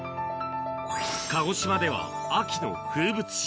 鹿児島では、秋の風物詩。